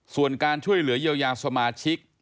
ส่วนการช่วยเหลือเยียวยาสมาชิก